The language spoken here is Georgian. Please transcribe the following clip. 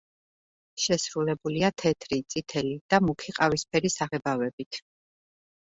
შესრულებულია თეთრი, წითელი და მუქი ყავისფერი საღებავებით.